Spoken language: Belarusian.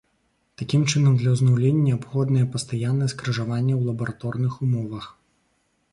Такім чынам, для ўзнаўлення неабходнае пастаяннае скрыжаванне ў лабараторных умовах.